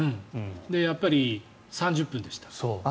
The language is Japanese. やっぱり３０分でした。